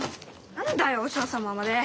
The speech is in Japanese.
何だよ和尚様まで！